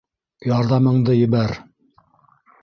Ярҙамыңды ебәр!